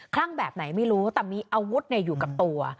ลั่งแบบไหนไม่รู้แต่มีอาวุธอยู่กับตัว